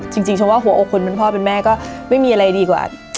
จริงเพราะว่าหัวอกคนเป็นพ่อเป็นแม่ก็ไม่มีอะไรดีกว่า